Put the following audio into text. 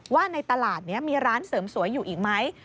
ว่าในตลาดนี้มีร้านเสริมสวยอยู่อีกไหม